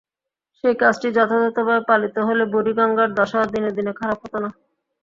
সেই কাজটি যথাযথভাবে পলিত হলে বুড়িগঙ্গার দশা দিনে দিনে খারাপ হতো না।